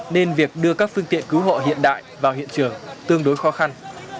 nên việc đưa các phương tiện cứu hộ hiện đại vào hiện trường tương đối khó khăn